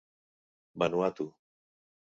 Vanuatu.